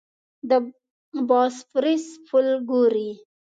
د باسفورس پل ګورې.